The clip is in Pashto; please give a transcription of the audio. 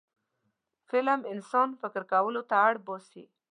فلم انسان فکر کولو ته اړ باسي